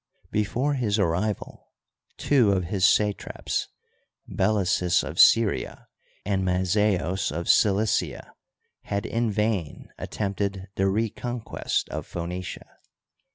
Before his arrival two of his satraps, Belesys of Syria and Mazaeos of Cilicia, had in vain attempted the reconquest of Phoenicia.